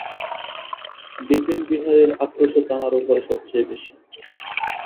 বিপিনবিহারীর আক্রোশও তাহার উপরে সব চেয়ে বেশি।